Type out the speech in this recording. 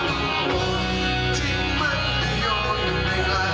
อีกเพลงหนึ่งครับนี้ให้สนสารเฉพาะเลย